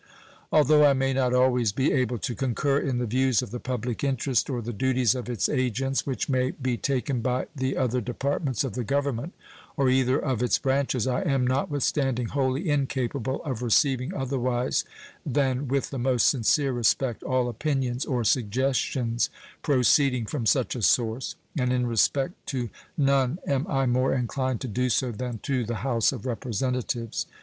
Although I may not always be able to concur in the views of the public interest or the duties of its agents which may be taken by the other departments of the Government or either of its branches, I am, not withstanding, wholly incapable of receiving otherwise than with the most sincere respect all opinions or suggestions proceeding from such a source, and in respect to none am I more inclined to do so than to the House of Representatives.